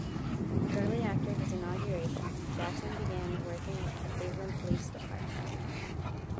Shortly after his inauguration, Jackson began working with the Cleveland Police Department.